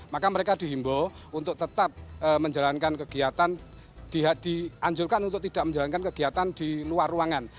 maka mereka dihimbau untuk tetap menjalankan kegiatan dianjurkan untuk tidak menjalankan kegiatan di luar ruangan